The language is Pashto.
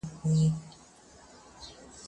زه پرون انځورونه رسم کړل